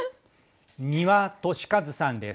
丹羽利一さんです。